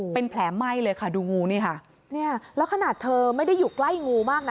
เป็นแผลไหม้เลยค่ะดูงูนี่ค่ะเนี่ยแล้วขนาดเธอไม่ได้อยู่ใกล้งูมากนะ